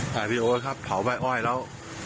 ถ่ายวีดีโอเคครับเผาไปอ้อยแล้ว